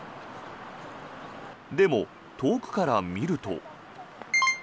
でも、遠くから見ると。